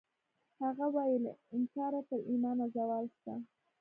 هغه وایی له انکاره تر ایمانه زوال شته